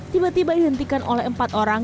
tiba tiba dihentikan oleh empat orang